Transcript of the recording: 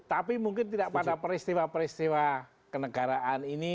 tapi mungkin tidak pada peristiwa peristiwa kenegaraan ini